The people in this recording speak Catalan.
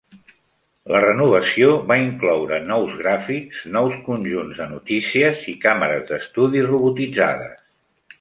La renovació va incloure nous gràfics, nous conjunts de notícies i càmeres d'estudi robotitzades.